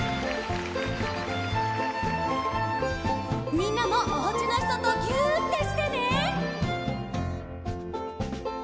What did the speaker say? みんなもおうちのひととぎゅってしてね！